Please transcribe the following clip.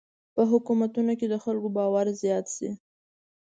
په حکومتونو د خلکو باور زیات شي.